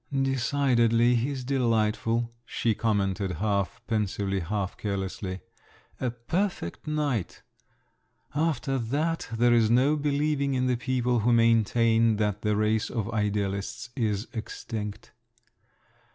"Decidedly—he's delightful," she commented half pensively, half carelessly. "A perfect knight! After that, there's no believing in the people who maintain that the race of idealists is extinct!"